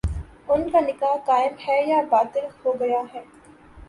ان کا نکاح قائم ہے یا باطل ہو گیا ہے؟